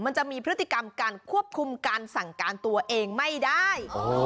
มันจะมีพฤติกรรมการควบคุมการสั่งการตัวเองไม่ได้